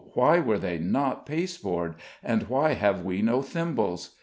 why were they not pasteboard, and why have we no thimbles?